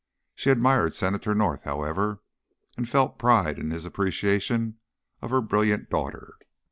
She admired Senator North, however, and felt pride in his appreciation of her brilliant daughter.